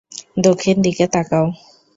দক্ষিণ দিকে তাকাও।